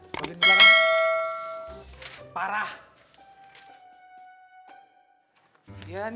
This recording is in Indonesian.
lo sendiri kan